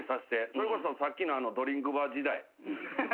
それこそさっきのドリンクバー時代。